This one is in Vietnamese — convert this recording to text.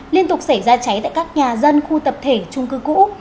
liên tục xảy ra cháy tại các nhà dân khu tập thể trung cư cũ